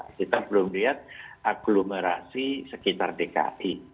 kita belum lihat agglomerasi sekitar dki